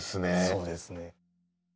そうですね。